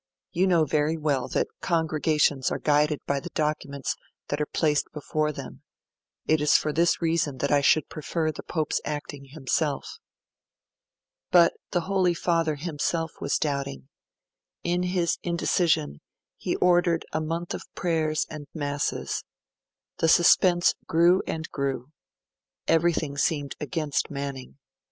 You know very well that Congregations are guided by the documents that are placed before them; it is for this reason that I should prefer the Pope's acting himself.' But the Holy Father himself was doubting. In his indecision, he ordered a month of prayers and masses. The suspense grew and grew. Everything seemed against Manning.